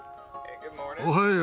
おはよう。